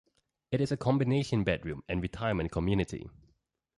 It is a combination bedroom and retirement community.